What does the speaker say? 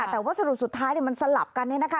แต่ว่าสรุปสุดท้ายมันสลับกัน